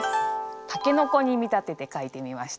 タケノコに見立てて書いてみました。